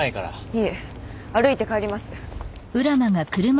いえ歩いて帰ります。